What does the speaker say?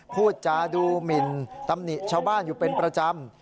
พูดจาดูหมินตำหนิชาวบ้านอยู่เป็นประจำ